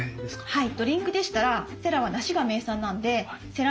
はい。